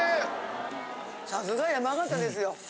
さすが山形ですよ。